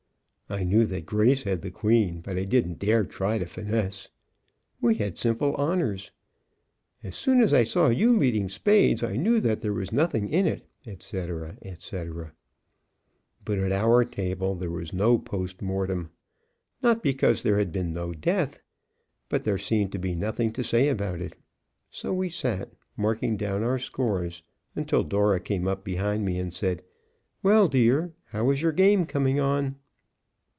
I knew that Grace had the queen, but I didn't dare try to finesse.... We had simple honors.... As soon as I saw you leading spades, I knew that there was nothing in it," etc., etc. But at our table there was no post mortem. Not because there had been no death, but there seemed to be nothing to say about it. So we sat, marking down our scores, until Dora came up behind me and said: "Well, dear, how is your game coming on?"